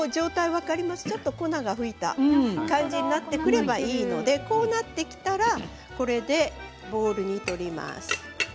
ちょっと粉が吹いた感じになってくればいいのでこうなったらボウルに取ります。